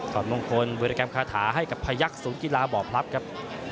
อดมงคลบริกรรมคาถาให้กับพยักษุยกีฬาบ่อพลับครับ